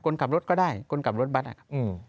คนขับรถก็ได้คนขับรถบัตรนะครับ